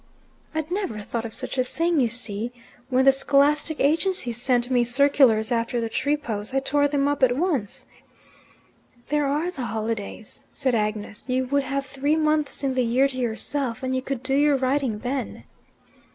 "I'd never thought of such a thing, you see. When the scholastic agencies sent me circulars after the Tripos, I tore them up at once." "There are the holidays," said Agnes. "You would have three months in the year to yourself, and you could do your writing then."